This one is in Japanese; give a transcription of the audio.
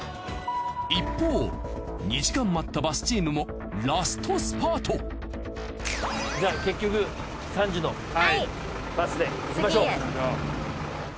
一方２時間待ったバスチームもラストスパート！じゃあ結局３時のバスで行きましょう。